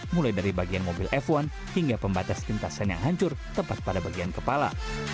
mulai dari bagian mobil f satu hingga pembatas tintasan yang hancur tepat pada bagian kepala